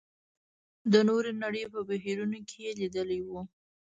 د نورې نړۍ په بهیرونو کې یې لېدلي وو.